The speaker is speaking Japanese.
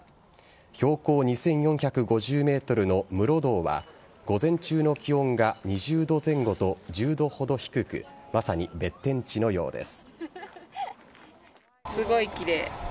標高２４５０ｍの室堂は午前中の気温が２０度前後と１０度ほど低くまさに別天地のようです。